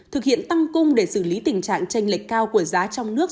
thực hiện tăng cung để xử lý tình trạng tranh lệch cao của giá trong nước